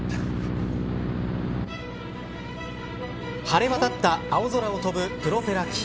晴れわたった青空を飛ぶプロペラ機。